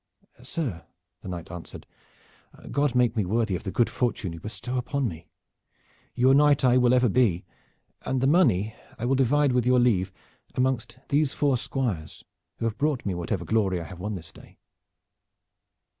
"Sir," the knight answered, "God make me worthy of the good fortune you bestow upon me. Your knight I will ever be, and the money I will divide with your leave amongst these four squires who have brought me whatever glory I have won this day."